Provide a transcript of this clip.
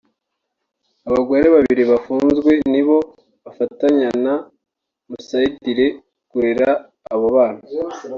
abagore babiri bafunzwe nibo bafatanya na Musayidire kurera abo bana